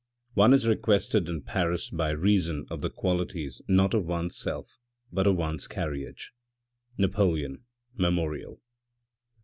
One is requested in Paris by reason of the qualities not of one's self but of one's carriage. —NAPOLEON, Memorial.